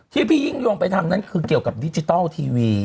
ที่พี่ยิ่งยงไปทำนั่นคือเกี่ยวกับดิจิทัลทีวี